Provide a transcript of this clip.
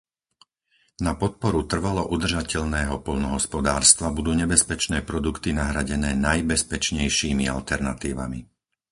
Na podporu trvalo udržateľného poľnohospodárstva budú nebezpečné produkty nahradené najbezpečnejšími alternatívami.